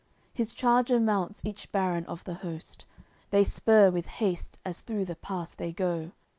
His charger mounts each baron of the host; They spur with haste as through the pass they go.